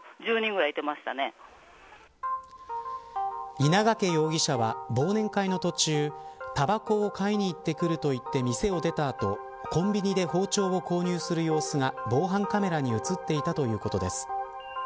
稲掛容疑者は、忘年会の途中たばこを買いにいってくると言って店を出たあとコンビニで包丁を購入する様子が防犯カメラに映っていたということです。